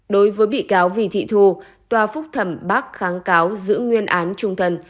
đối với bị cáo vì thị thù tòa phúc thẩm bác kháng cáo giữ nguyên án trung thân